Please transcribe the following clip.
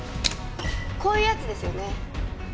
こういうやつですよね。